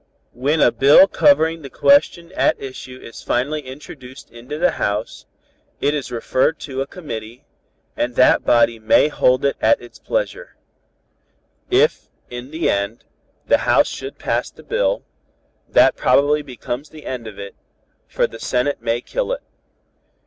When a bill covering the question at issue is finally introduced in the House, it is referred to a committee, and that body may hold it at its pleasure. "If, in the end, the House should pass the bill, that probably becomes the end of it, for the Senate may kill it.